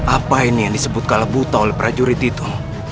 apa ini yang disebut kalabuta oleh prajurit itu